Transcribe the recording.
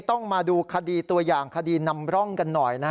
ต้องมาดูคดีตัวอย่างคดีนำร่องกันหน่อย